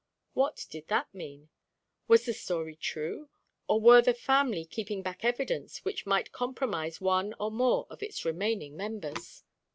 What did that mean? Was the story true; or were the family keeping back evidence which might compromise one or more of its remaining members?